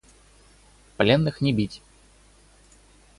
– Пленных не бить!